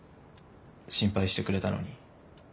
心配してくれたのに。